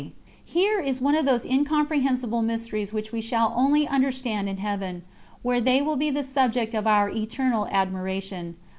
Here is one of those incomprehensible mysteries which we shall only understand in Heaven, where they will be the subject of our eternal admiration.